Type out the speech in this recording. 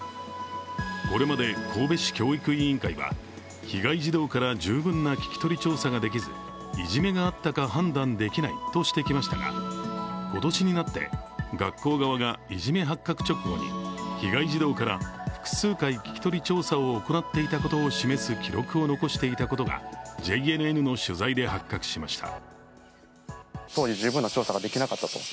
これまで神戸市教育委員会は被害児童から十分な聞き取り調査ができずいじめがあったか判断できないとしてきましたが今年になって、学校側がいじめ発覚直後に被害児童から複数回、聞き取り調査を行っていたを示す記録を残していたことがＪＮＮの取材で発覚しました。